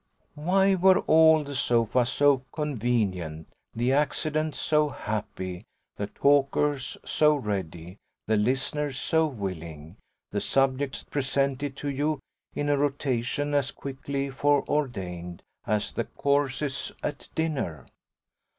Why were all the sofas so convenient, the accidents so happy, the talkers so ready, the listeners so willing, the subjects presented to you in a rotation as quickly foreordained as the courses at dinner?